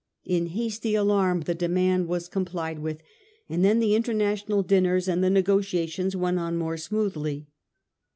In hasty alarm the demand was complied with, and then the international dinners and the nego tiations went on more smoothly.